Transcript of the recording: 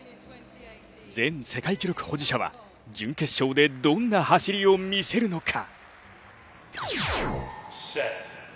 全世界記録保持者は準決勝でどんな走りを見せるのか。